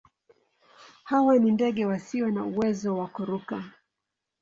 Hawa ni ndege wasio na uwezo wa kuruka.